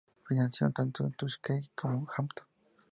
Financió tanto Tuskegee como Hampton.